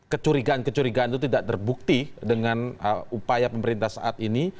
kecurigaan kecurigaan itu tidak terbukti dengan upaya pemerintah saat ini